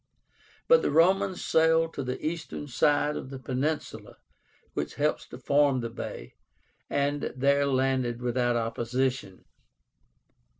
But the Romans sailed to the eastern side of the peninsula which helps to form the bay, and there landed without opposition.